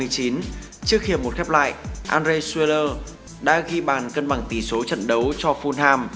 trước khi một khép lại andre schwerler đã ghi bàn cân bằng tỷ số trận đấu cho fulham